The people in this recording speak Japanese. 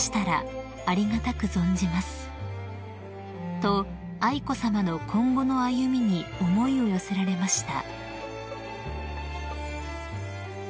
［と愛子さまの今後の歩みに思いを寄せられました］